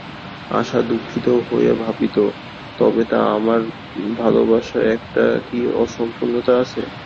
আশা দুঃখিত হইয়া ভাবিত, তবে তো আমার ভালোবাসায় একটা কী অসম্পূর্ণতা আছে।